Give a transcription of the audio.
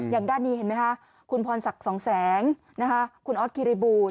อย่างด้านนี้เห็นไหมคะคุณพรศักดิ์สองแสงคุณออสคิริบูรณ